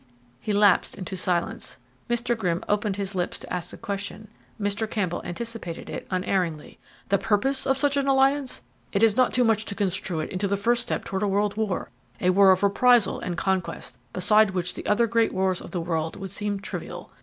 He lapsed into silence. Mr. Grimm opened his lips to ask a question: Mr. Campbell anticipated it unerringly: "The purpose of such an alliance? It is not too much to construe it into the first step toward a world war a war of reprisal and conquest beside which the other great wars of the world would seem trivial.